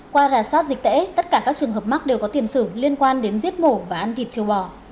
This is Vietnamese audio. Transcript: qua rà soát dịch tễ tất cả các trường hợp mắc đều có tiền sử liên quan đến giết mổ và ăn thịt châu bò